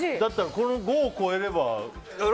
この５を超えれば。